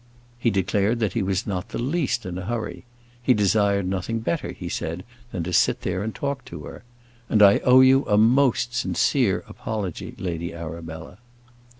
He declared that he was not the least in a hurry. He desired nothing better, he said, than to sit there and talk to her. "And I owe you a most sincere apology, Lady Arabella."